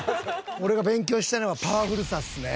俺が勉強したいのはパワフルさですね。